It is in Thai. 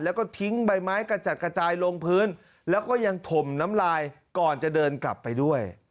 แล้วก็ทิ้งใบไม้กระจัดกระจายลงพื้นแล้วก็ยังถมน้ำลายก่อนจะเดินกลับไปด้วย